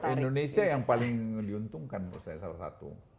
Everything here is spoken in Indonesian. indonesia yang paling diuntungkan menurut saya salah satu